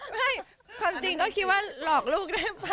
ไม่ความจริงก็คิดว่าหลอกลูกได้ป่ะ